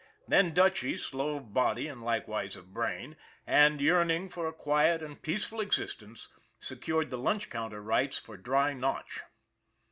Then Dutchy, slow of body and likewise of brain, and yearning for a quiet and peaceful existence, secured the lunch counter rights for Dry Notch.